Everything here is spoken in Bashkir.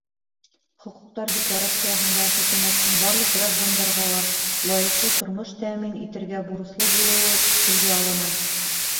Хоҡуҡтар декларацияһында хөкүмәттең барлыҡ граждандарға ла лайыҡлы тормош тәьмин итергә бурыслы булыуы телгә алына.